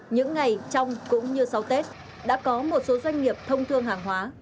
những ngày trong cũng như sau tết đã có một số doanh nghiệp thông thương hàng hóa